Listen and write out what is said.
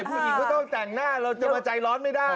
ผู้หญิงก็ต้องแต่งหน้าเราจะมาใจร้อนไม่ได้